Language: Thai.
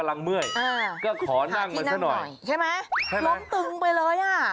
มันวืดเลย